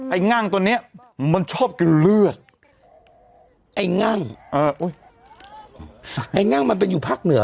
ไอ้งั่งตัวเนี่ยมันชอบกินเลือดไอ้งั่งไอ้งั่งมันเป็นอยู่ภาคเหนือ